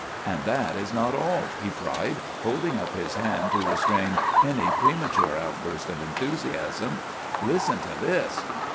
"And that is not all," he cried, holding up his hand to restrain any premature outburst of enthusiasm. "Listen to this!